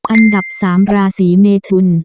อันดับ๓ราศีเมทุน